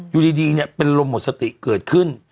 อยู่ดีเนี่ยเป็นลมหมดสติเกิดขึ้น